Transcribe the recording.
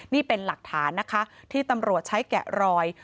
นี่เป็นหลักฐานนะคะที่ตำรวจใช้แกะรอย